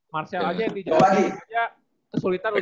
marcel aja yang di jawa aja kesulitan lu